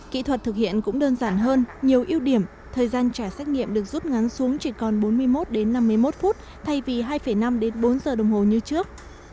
kỹ thuật thực hiện cũng đơn giản hơn nhiều ưu điểm thời gian trả xét nghiệm được rút ngắn xuống chỉ còn bốn mươi một đến năm mươi một phút thay vì hai năm đến bốn giờ đồng hồ như trước